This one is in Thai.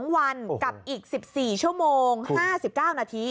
๒วันกับอีก๑๔ชั่วโมง๕๙นาที